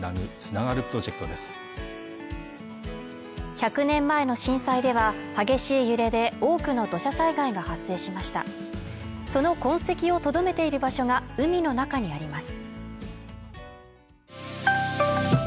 １００年前の震災では激しい揺れで多くの土砂災害が発生しましたその痕跡をとどめている場所が海の中にあります